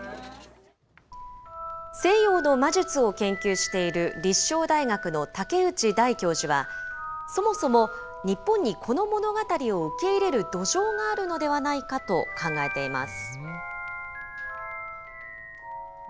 西洋の魔術を研究している、立正大学の武内大教授は、そもそも日本に、この物語を受け入れる土壌があるのではないかと考えています。